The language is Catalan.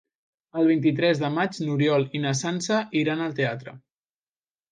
El vint-i-tres de maig n'Oriol i na Sança iran al teatre.